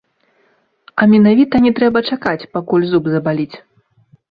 А менавіта, не трэба чакаць, пакуль зуб забаліць.